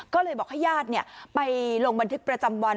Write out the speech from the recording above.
ก็เลยบอกให้ญาติไปลงบันทึกประจำวัน